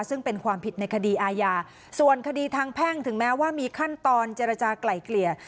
ซึ่งเป็นความผิดในคดีอาญาส่วนคดีทางแพ่งถึงแม้ว่ามีขั้นตอนเจรจากลายเกลี่ย